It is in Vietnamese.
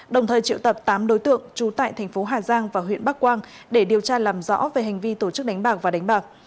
đồng thời triệu tập tám đối tượng trú tại thành phố hà giang và huyện bắc quang để điều tra làm rõ về hành vi tổ chức đánh bạc và đánh bạc